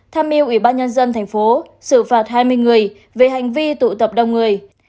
tham yêu ủy ban nhân dân tp xử phạt hai mươi người về hành vi tụ tập đông người